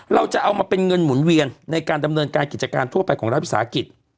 เราจะเอามาเป็นเงินหมุนเวียนในการดำเนินการกิจการทั่วไปของรัฐวิสาหกิจ